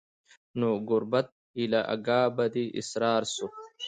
نو ګوربت ایله آګاه په دې اسرار سو